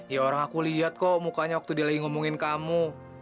ya orang aku lihat kok mukanya waktu dia lagi ngomongin kamu